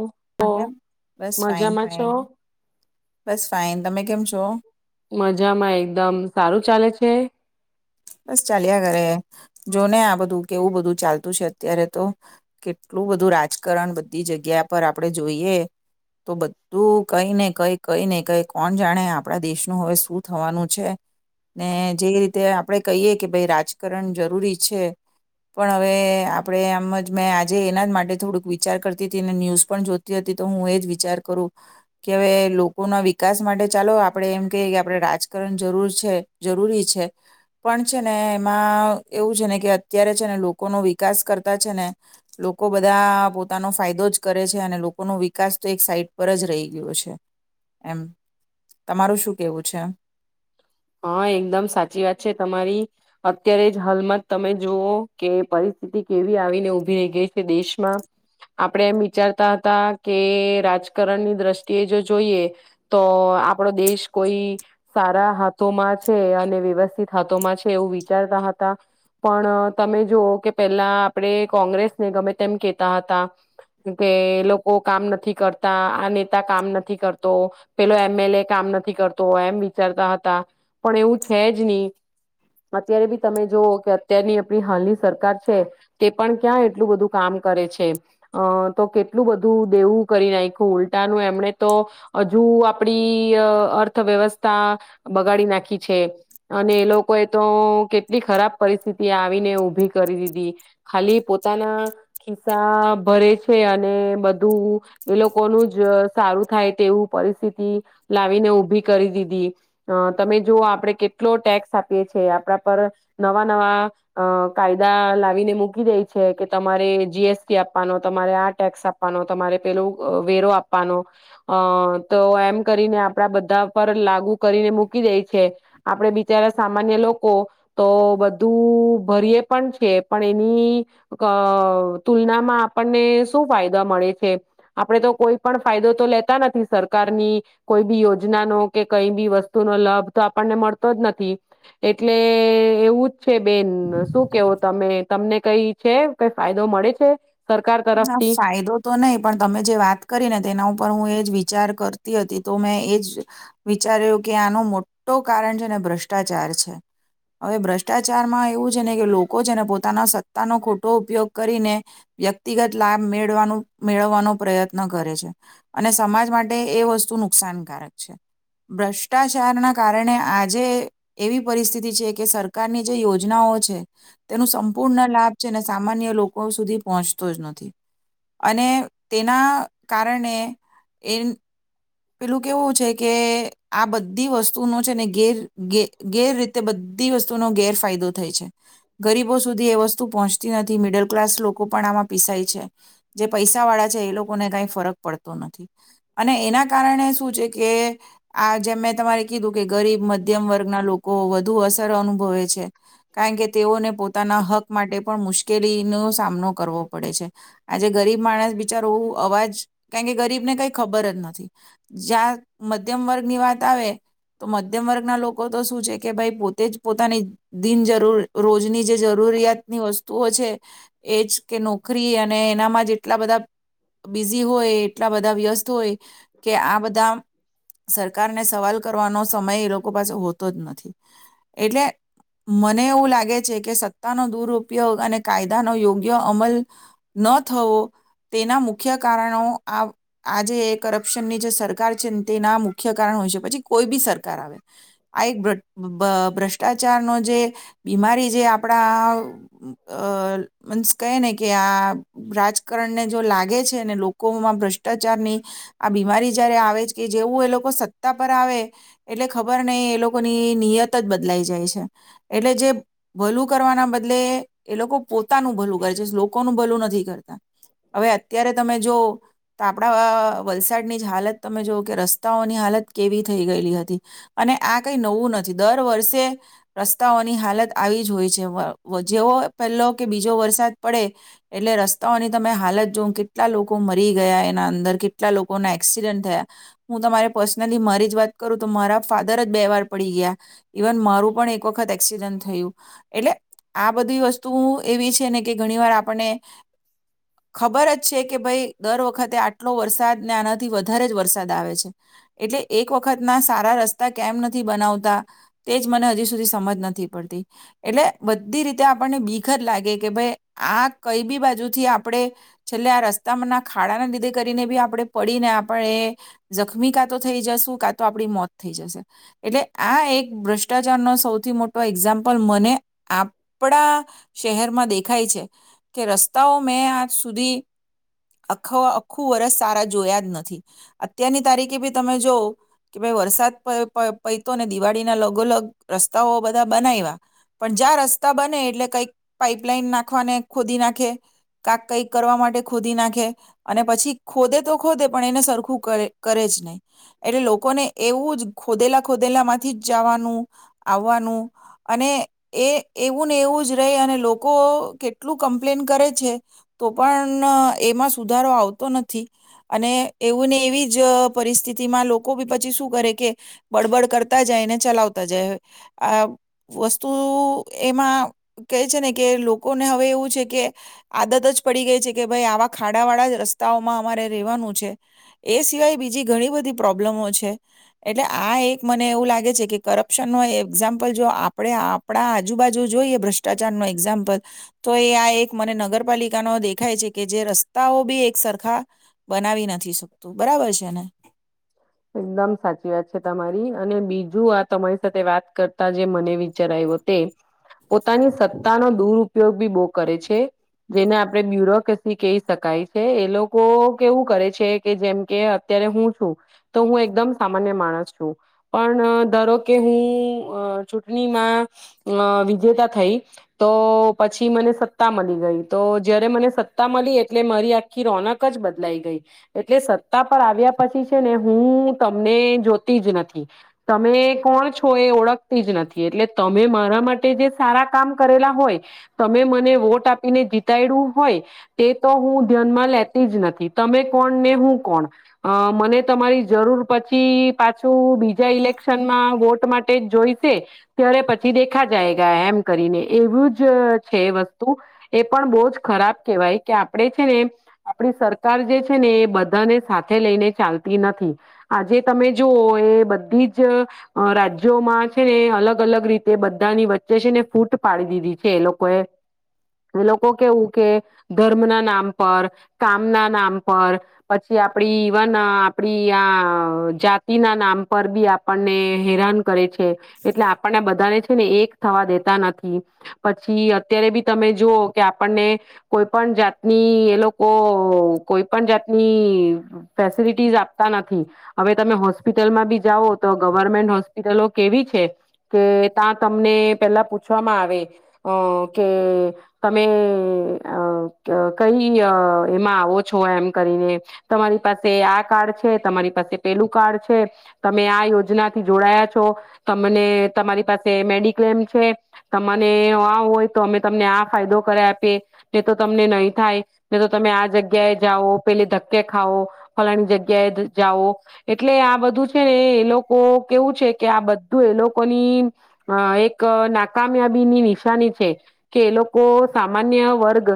ઓહો કે બસ ફન મજામાં છો ફન બસ ફાઈન તમે કેમ છો? તો મજામાં એકદમ સારું ચાલે છે. બસ ચાલ્યા કરે. જો ને આ બધું કેવું બધું ચાલતું છે અત્યારે તો કેટલું બધું રાજકારણ બધી જગ્યા પર આપણે જોઈએ તો બધું કઈ ને કઈ કઈ ને કઈ કોણ જાણે આપણા દેશનું હવે શું થવાનું છે ને જે રીતે આપણે કહીએ કે ભાઈ રાજકારણ જરૂરી છે પણ હવે આપણે આમ જ મેં આજે એના જ માટે થોડુંક વિચાર કરતી હતી અને ન્યૂઝ પણ જોતી હતી તો હું એ જ વિચાર કરું કે હવે લોકોના વિકાસ માટે ચાલો આપણે એમ કહીએ કે આપણે રાજકારણ જરૂર છે જરૂરી છે. પણ છે ને એમાં એવું છે ને કે અત્યારે છે ને લોકોનો વિકાસ કરતા છે ને લોકો બધા પોતાનો ફાયદો જ કરે છે અને લોકોનો વિકાસ તો એક સાઈડ પર જ રહી ગયો છે એમ તમારું શું કેવું છે. હા એકદમ સાચી વાત છે તમારી અત્યારે જ હાલમાં જ તમે જુઓ કે પરિસ્થિતિ કેવી આવીને ઉઊભી રહી ગઈ છે દેશમાં આપણેે એમ વિચારતા હતા કે રાજકારણની દ્રષ્ટિએ જો જોઈએ તો આપડો દેશ કોઈ સારા છે અને વ્યવસ્થિત હાથમાં છે એવું વિચારતા હતા પણ તમે જુઓ કે પેલા આપડે કોંગ્રેસને ગમે તેમ કેતા હતા કે લોકો કામ નથી કરતા આ નેતા કામ નથી કરતો પેલો એમએલ એ કામ નથી કરતો એમ વિચારતા હતા. પણ એવું છે જ નહી અત્યારે બી તમે જોઓ કે અત્યારની આપણી હાલની સરકાર છે તે પણ ક્યાં એટલું બધું કામ કરે છે અ તો કેટલું બધું દેવું કરી નાખખ ઉલટાનું એમણે તો હજુ આપડી અર્થવ્યવસ્થા ગાડી નાખી છે અને એ લોકોએ તો કેટલી ખરાબ પરિસ્થિતિ આવીને ઉભી કરી દીધી ખાલી પોતાના ખિસ્સા ભરે છે અને બધું એ લોકોનું જ સારું થાય તેવું પરિસ્થિતિ લાવીને ઉભી કરી દીધી. અ તમે જોુઓ આપડણે કેટલો ટેક્સ આપીએ છે આપણા પર નવા નવા કાયદા લાવીને મૂકી દે છે કે તમારે જીએસટી આપવાનો તમારે આ ટેક્સ આપવાનો તમારે પેલું વેરો આપવાનો અ તો એમ કરીને આપડા બધા પર લાગુ કરીને મૂકી દે છે આપણે બિચારા સામાન્ય લોકો તો બધું ભરીએ પણ છે પણ એની તુલનામાં આપણને શું ફાયદા મળે છે આપણે તો કોઈ પણ ફાયદો તો લેતા નથી સરકારની કોઈ બી યોજના ન કે કઈ એ વસ્તુ નો લાભ તો આપણને મળતો જ નથી એટલે એવું જ છે બેન શું કેવો તમે તમને કઈ છે કઈ ફાયદો મળે છે. સરકાર ના તરફથી ફાયદો તો નહી પણ તમે જે વાત કરી ને તેના ઉપર હું એજ વિચ વિચાર કરતી હતી તો મેં એજ વિચાર્યું કે આનો મોટો કારણ છે ને ભ્રષ્ટાચાર છે હવે ભ્રષ્ટાચારમાં એવું છે ને કે લોકો છેને પોતાના સત્તા નો ખોટો ઉપયોગ કરીને વ્ય વ્યક્તિગત લાભ મેળવા મેળવવાનો પ્રયત્ન કરે છે અને સમાજ માટે એ વસ્તુ નુકસાનકારક છે ભ્રષ્ટાચારના કારણે આજે એવી પરિસ્થિતિ છે કે સરકારની જે યોજનાઓ છે તેનું સંપૂર્ણ લાભ છે અને સામાન્ય લોકો સુધી પહોંચ નથી અને તેના કારણે એ પેલું કેવું છે કે આ બધી વસ્તુનો છે ને ગેર ગેર રીતે બધી વસ્તુનો ગેરફાયદો થાય છે ગરીબો સુધી એ વસ્તુ પહોંચતી નથી મિડલ ક્લાસ લોકો પણ આમાં પીસાય છે જે પૈસા વાળા છે એ લોકોને કઈ ફરક પડતો નથી અને એના કારણે શું છે કે આ જેમ મેં તમારે કીધું કે ગરીબ મધ્યમ વર્ગના લોકો વધુ અસર અનુભવે છે કારણ કે તેઓને પોતાના હક માટે પણ મુશ્કેલીનોો સામનો કરવો પડે છે આજે ગરીબ માણસ બિચારોવું અવાજ કારણ કે ગરીબને કઈ ખબર જ નથી. જ્યાં મધ્યમ વર્ગની વાત આવે તો મધ્યમ વર્ગના લોકો તો શું છે કે ભાઈ પોતે જ પોતાની દિન જરૂર રોજની જે જરૂરિયાતની વસ્તુઓ છે એજ કે નોકરી અને એનામાં જેટલા બધા બિઝી હોય એટલા બધા વ્યસ્ત હોય. કે આ બધા સરકારને સવાલ કરવાનો સમય એ લોકો પાસે હોતો જ નથી એટલે મને એવું લાગે છે કે સત્તાનો દુરપયોગ અને કાયદાનો યોગ્ય અમલ ન થવો તેના મુખ્ય કારણો આ આજે શન ની જે સરકાર છે તેના મુખ્ય કારણ હોય છે પછી કોઈ બી સરકાર આવે આ એક ભ્રષ્ટાચારનો જે બીમારી જે આપણા અ મન્સ કહે ને કે આ રાજકારણને જો લાગે છે ને લોકોમાં ભ્રષ્ટાચાર ની આ બીમારી જ્યારે આવે જ કે જેવું એ લોકો સત્તા પર આવે એટલે ખબર નહી એ લોકોની નિયત જ બદલાઈ જાય છે. એટલે જે ભલું કરવાના બદલે એ લોકો પોતાનું ભલું વર્ચ લોકો નું ભલું નથી કરતા. હવે અત્યારે તમે જો તો આપડા અહ વલસાડની જ હાલત તમે જોવ કે રસ્તાઓની હાલત કેવી થઈ ગયેલી હતી, અને આ કઈ નવું નથી દર વર્ષે રસ્તાઓની હાલત આવી જ હોય છે. વ જેવો પહેલો કે બીજો વરસાદ પડે એટલે રસ્તાઓની તમે હાલત જોઉ કેટલા લોકો મરી ગયા એના અંદર કે લોકો ના એક્સિડન્ટ થયા. હું તમારે પર્સનલી મરી જ વાત કરું તો મારા ફાધર જ બે વાર પડી ગયા, ઇવન મારું પણ એક વખત એક્સિડન્ટ થયું. એટલે આ બધી વસ્તુ એવી છ છે ને કે ઘણી વાર આપણને ખબર જ છે કે ભાઈ દર વખતે આટલો વરસાદ ને આનાથી વધારે જ વરસાદ આવે છે, એટલે એક વખત ના સારા રસ્તા કેમ નથી બનાવતા તેજ મને હજી સુધી સમજ નથી પડતી, એટલે બધી રીતે આપણને બીખ જ લાગે કે ભાઈ આ કઈ બી બાજુથી આપણે છેલ્લે આ રસ્તા માના ખાડાના લીધે કરીને બી આપણે પડીને આપણે ઝખમી કા તો થઈ જશું, કા તો આપડી મોત થઈ જશે. એટલે આ એક ભ્રષ્ટાચાર નો સૌથી મોટો એક્ઝામ્પલ મને આપણા શહેરમાં દેખાય છે, કે રસ્તાઓ મેં આજ સુધી અખ અખું વરષ સારા જોયા જ નથી. અત્યારની તારીખે ભી તમે જોઓ કે ભઈ વરસાદ પ-પ પઈતો ને દિવાળીના લગોલગ રસ્તાઓ બધા બનાયવા પણ જ્યાં રસ્તા બને એટલે કઈક પાઈપલાઈન નાખવાને ખોદી નાખે, કાક કઈક કરવા માટે ખોદી નાખે, અને પછી ખોદે તો ખોદે પણ એને સરખું કર કરે જ નહીં, એટલે લોકોને એવું જ ખોદેલા-ખોદેલા માંથી જ જાવાનું, આવવાનું અને એ એવું ને એવું જ રહે અને લોકો કેટલું કમ્પ્લેન કરે છે તો પન એમાં સુધારો આવતો નથી. અને એવું ને એવી જ પરિસ્થિતિમાં લોકો બી પછી શું કરે કે બડબડ કરતા જાય ને ચલાવતા જાય, આ વસ્તુ એમાં કેહે છે ને કે લોકોને હવે એવું છે કે આદત જ પડી ગઈ છે કે ભાઈ આવા ખાડાવાળા જ રસ્તાઓમાં અમારે રહેવાનું છે. એ સિવાય બીજી ઘણી બધી પ્રોબ્લેમો છે, એટલે આ એક મને એવું લાગે છે કે કરપ્શન નો એ એક્ઝામ્પલ જો આપણે આપણા આજુબાજુ જોઈએ ભ્રષ્ટાચાર નો એક્ઝામ્પલ તો એ આ એક મને નગરપાલિકાનો દેખાય છે કે જે રસ્તાઓ બી એક સરખા બનાવી નથી શકતું. બરાબર છે ને? એકદમ સાચી વાત છે તમારી, અને બીજું આ તમારી સાથે વાત કરતા જે મને વિચાર આવ્યો તે પોતાની સત્તા નો દૂર ઉપયોગ બી બહું કરે છે, જેને આપડે બ્યુરોકેસી કહી શકાય છે. એ લોકો કેવું કરે છે કે જેમ કે અત્યારે હું છું તો હું એકદમ સામાન્ય માણસ છું. પણ ધારો કે હું અહ ચૂંટણીમાં વિજેતા અહ થઈ તો પછી મને સત્તા મલી ગઈ તો જયારે મને સત્તા મલી એટલે મરી આખી રોનક જ બદલાઈ ગઈ, એટલે સત્તા પર આવ્યા પછી છે ને હું તમને જોતી જ નથી. તમે કોણ છો, એ ઓળખતી જ નથી. એટલે તમે મારા માટે જે સારા કામ કરેલા હોય, તમે મને વોટ આપીને જીતાયડું હોય, તે તો હું ધ્યાનમાં લેતી જ નથી. તમે કોણ ને હું કોણ. અહ મને તમારી જરૂર પછી પાછ છું બીજા ઇલેક્શન માં વોટ માટ ટે જોઈશે, ત્યારે પછી દેખા જાયેગા એમ કરીને, એવું જ છે એ વસ્તુ. એ પણ બહુ જ ખરાબ કહેવાય કે આપણે છે ને આપણી સરકાર જે છે ને એ બધાને સાથે લઈને ચાલત નથી આજે તમે જુવ એ બધી જ રાજ્યોમાં છે ને અલગ અલગ રીતે બધાની વચ્ચે છે ને ફૂટ પાડી દીધી છે એ લોકો એ એ લોકો કેવું કે ધર્મ ના નામ પર કામ ના નામ પર પછી આપડી વાના આપડી આ જાતિ ના નામ પર બી આપણને હેરાન કરે છે એટલે આપણને બધાને ને એક થવા દેતા નથી પછી અત્યારે બી તમે જોુઓ કે આપણને કોઈ પણ જાતની એ લોકો કોઈ પણ જાતની ફેસલટી નથી હવે તમે હોસ્પિટલમાં બી જાઓ તો ગવર્મેન્ટ હોસ્પિટલો કેવી છે કે ત્યાં તમને પેલા પૂછવામાં આવે કે તમે કઈ એમાં આવો છો એમ કરીને તમારી પાસે આ કાર્ડ છે. તમારી પાસે પેલું કાર્ડ છે તમે આ યોજના થી જોડાયા છો તમને તમારી પાસે મેડિક્લેમ છે તને આ હોય તો અમે તમને આ ફાયદો કરે આપીએ ને તો તમને નહી થાય ને તો તમે આ જગ્યાએ જાઓ પેલી ધક્કે ખાવ ફલાની જગ્યા જાઓ એટલે આ બધું છે ને એ લોકો કેવું છે કે આ બધું એ લોકોની એક નાકામયાબીની નિશાની છે કે એ લોકો સામાન્ય વર્ગ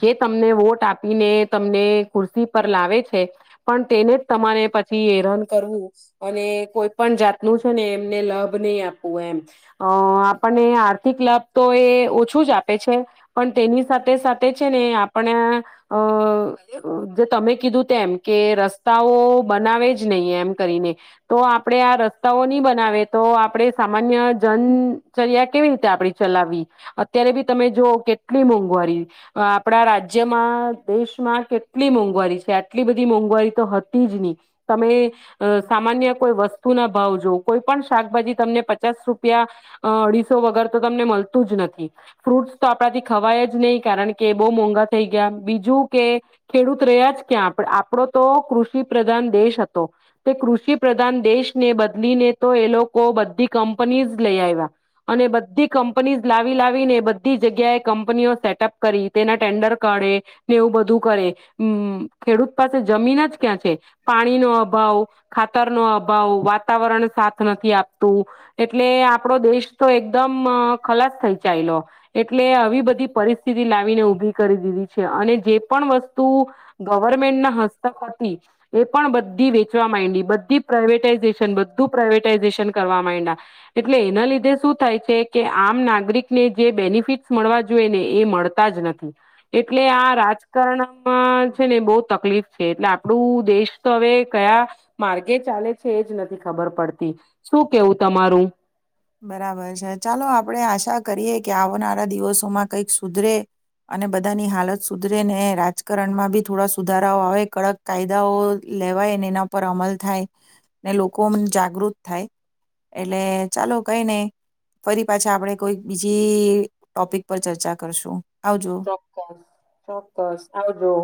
જે તમને વોટ આપીને તમને ખુરશ પર લાવે છે. પણ તેને જ તમારે પછી હેરાન કરવું અને કોઈ પણ જાતનું છે ને એમને લાભ નહીં આપવું એમ અ આપણને આર્થિક લાભ તો એ ઓછું જ આપે છે પણ તેની સાથે સાથે છે ને આપણે અ જે તમે કીધું તેમ કે રસ્તાઓ બનાવે જ નહીં એમ કરીને તો આપડે આ ર રસ્તા નહી બનાવે તો આપ આપણે સામાન્ય જનચર્યા કેવી રીતે આપડી ચલાવીવી અત્યારે બી તમે જોઓ કેટલી મોંઘવારી આપણા રાજ્યમાં દેશમાં કેટલી મોંઘવારી છે આટલી બધી મોંઘવારી તો હતી જ નહી તમે સામાન્ય કોઈ વસ્તુ ના ભાવ જો કોઈ પણ શાકભાજી તમને પચાસ રૂપિયા અઢીસો વગર તો તમને મળતું જ નથી ફ્રૂટસ તો આપડાથી ખવાય જ નહીિ કારણ કે બહુ મોંઘા થઈ ગયા બીજું કે ખેડૂત રહ્યા જ ક્યાં? આપડો તો કૃષિ પ્રધાન દેશ હતો તે કૃષિ પ્રધાન દેશને બદલીને તો એ લોકો બધી કંપનીઝ લઈ આવ્યા અને બધી કંપનીઝ લાવી લાવીને બધી જગ્યાએ કંપનીઓ સેટઅપ કરી તેના ટેન્ડર કાઢે ને એવું બધું કરે ખેડૂત. પાસે જમીન જ ક્યાં છે પાણી નો અભાવ ખાતર નો અભાવ વાતાવરણ સાથ નથી આપતું એટલે આપડો દેશ તો એકદમ ખલાસ થઈ ચાલલો એટલે આવી બધી પરિસ્થિતિ લાવીને ઉઊભી કરી દીધી છે અને જે પણ વસ્તુ ગવર્મેન્ટના બધી વેચવા માંડી બી પ્રઇવેટાઈઝેશન બું પ્રઇવેટાઈઝેશન કરવા માં એટલે એના લીધે શું થાય છે કે આમ નાગરિકને જે બેનિફિટ મળવા જોઈએને એ મળતા જ નથી એટલે આ રાજકારણમાં છે ને બહુ તકલીફ છે એટલે આપણું દેશ તો હવે કયા માર્ગે ચાલે છે એજ નથી ખબર પડતી શું કેવું તમારું? બરાબર છે ચાલો આપડે આશા કરીએ કે આવનારા દિવસોમાં કઈક સુધરે અને બધાની હાલત સુધરે ને રાજકારણમાં બી થોડા સુધારાઓ આવે કડક કાયદાઓ લેવાયને એના પર અમલ થાય ને લોકો જાગૃત થાય એટલે ચાલો કઈ નહી ફરી પાછા આપડે કોઈક બીજી ટોપિક પર ચર્ચા કરશું. આવજો. ચોક્કસ ચોક્કસ આવજો.